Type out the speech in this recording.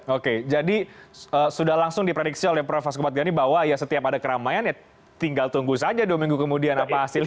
oke jadi sudah langsung diprediksi oleh prof askupat gani bahwa ya setiap ada keramaian ya tinggal tunggu saja dua minggu kemudian apa hasilnya